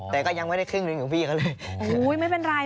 แต่ก็ยังไม่ได้ครึ่งเล่นของพี่ก็เลย